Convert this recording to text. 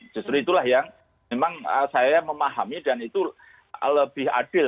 justru itulah yang memang saya memahami dan itu lebih adil